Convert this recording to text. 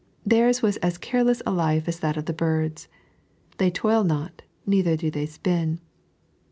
Theirs was as careless a life as that of the birds. " They toil not, neither do they spin."